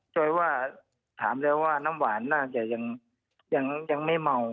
โดยว่าถามแล้วว่าน้ำหวานน่าจะยังไม่เมา